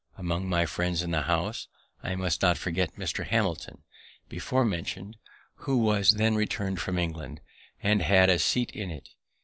Among my friends in the House I must not forget Mr. Hamilton, before mentioned, who was then returned from England, and had a seat in it.